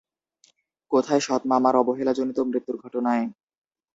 কোথায় সৎ মামার অবহেলাজনিত মৃত্যুর ঘটনায়?